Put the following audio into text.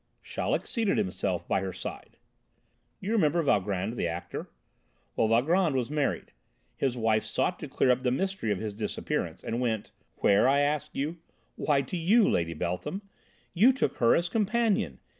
Chaleck seated himself by her side. "You remember Valgrand, the actor? Well, Valgrand was married. His wife sought to clear up the mystery of his disappearance and went where, I ask you? Why, to you, Lady Beltham! You took her as companion!